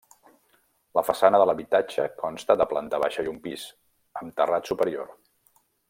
La façana de l'habitatge consta de planta baixa i un pis, amb terrat superior.